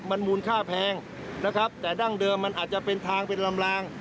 มันมูลค่าแพงนะครับแต่ดั้งเดิมมันอาจจะเป็นทางเป็นลำลาง